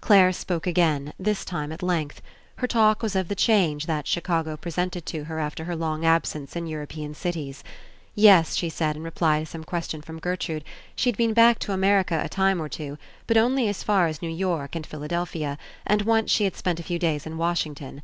Clare spoke again, this time at length. Her talk was of the change that Chicago pre sented to her after her long absence in Euro pean cities. Yes, she said in reply to some ques tion from Gertrude, she'd been back to America a time or two, but only as far as New York and Philadelphia, and once she had spent a few days in Washington.